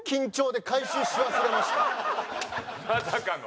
まさかの？